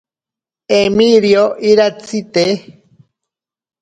Emirio iratsi te.